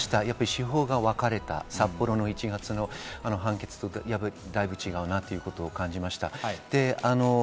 司法が分かれた札幌の１月の判決とだいぶ違うなということを感じました。